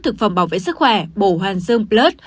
thực phẩm bảo vệ sức khỏe bổ hoàn dơm plus